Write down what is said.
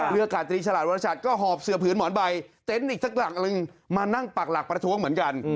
อากาศตรีฉลาดวรชัดก็หอบเสือผืนหมอนใบเต็นต์อีกสักหลังนึงมานั่งปักหลักประท้วงเหมือนกัน